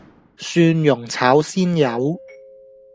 蒜蓉炒鮮魷